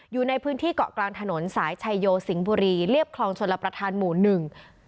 อยู่ในพื้นที่เกาะกลางถนนสายชายโยสิงห์บุรีเรียบคลองชลประธานหมู่หนึ่ง